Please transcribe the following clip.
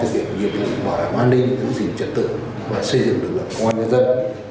việc nhiệm vụ bảo vệ an ninh giữ gìn trật tự và xây dựng lực lượng công an nhân dân